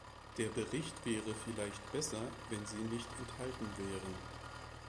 Der Bericht wäre vielleicht besser, wenn sie nicht enthalten wären.